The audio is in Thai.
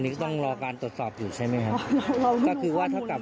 อยู่ก็มาช่วยทำเหมือนกัน